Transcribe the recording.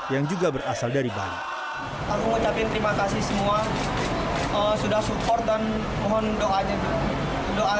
yang juga berasal dari bali aku ucapin terima kasih semua sudah support dan mohon doa doa